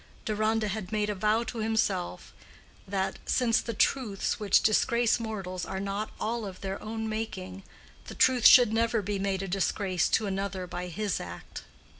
Deronda had made a vow to himself that—since the truths which disgrace mortals are not all of their own making—the truth should never be made a disgrace to another by his act.